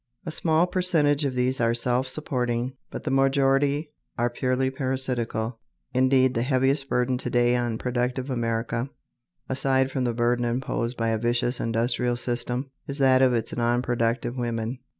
A small percentage of these are self supporting, but the majority are purely parasitical. Indeed, the heaviest burden to day on productive America, aside from the burden imposed by a vicious industrial system, is that of its nonproductive women.